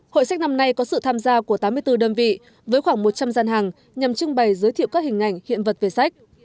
hội sách năm nay có sự tham gia của tám mươi bốn đơn vị với khoảng một trăm linh gian hàng nhằm trưng bày giới thiệu các hình ảnh hiện vật về sách